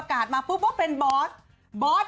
คิดอะไรอยู่ตอนนั้นโฆนนี่